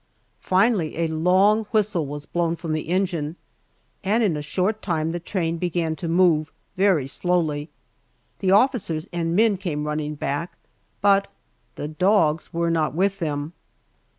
Finally a long whistle was blown from the engine, and in a short time the train began to move very slowly. The officers and men came running back, but the dogs were not with them!